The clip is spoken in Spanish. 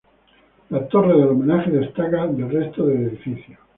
La torre del homenaje destaca del resto del edificio.